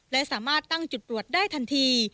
และสามารถตั้งจุดตรวจได้ทันที